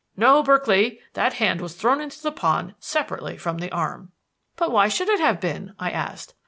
No, Berkeley, that hand was thrown into the pond separately from the arm." "But why should it have been?" I asked.